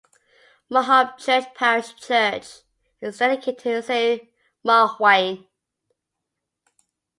Marhamchurch parish church is dedicated to Saint Marwenne.